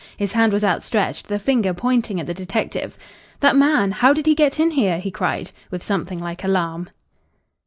His hand was outstretched, the finger pointing at the detective. "That man how did he get in here?" he cried, with something like alarm.